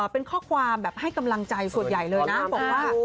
เป็นข้อความแบบให้กำลังใจส่วนใหญ่เลยนะบอกว่า